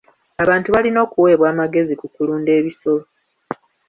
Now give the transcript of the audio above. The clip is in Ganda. Abantu balina okuweebwa amagezi ku kulunda ebisolo.